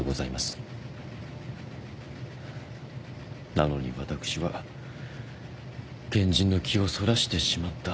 なのに私は賢人の気をそらしてしまった。